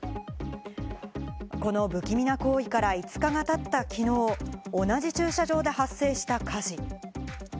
この不気味な行為から５日が経った昨日、同じ駐車場で発生した火事。